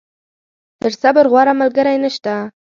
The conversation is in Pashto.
تر صبر، غوره ملګری نشته.